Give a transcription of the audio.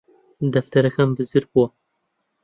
دەفتەرەکەم بزر بووە